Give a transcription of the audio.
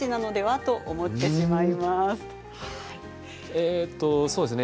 えーとそうですね。